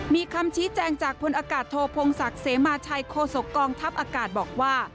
มีคำชี้แจงจากพลอากาศโทพงศักดิ์เสมาชัยโคศกองทัพอากาศบอกว่า